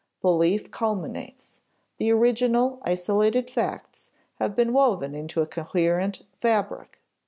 Belief culminates; the original isolated facts have been woven into a coherent fabric.